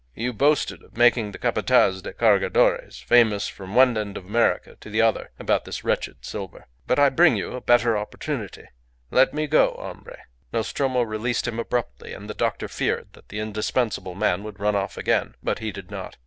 You boasted of making the Capataz de Cargadores famous from one end of America to the other about this wretched silver. But I bring you a better opportunity let me go, hombre!" Nostromo released him abruptly, and the doctor feared that the indispensable man would run off again. But he did not.